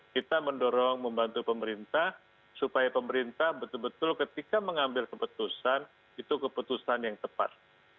kita mendorong membantu pemerintah supaya pemerintah betul betul ketika mengambil keputusan itu keputusan yang tepat